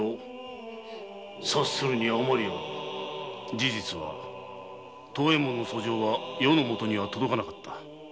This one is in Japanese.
事実は藤右衛門の訴状は余のもとには届かなかった。